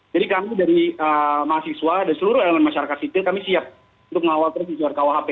jadi kami dari mahasiswa dan seluruh elemen masyarakat situ kami siap untuk mengawal prinsip rkuhp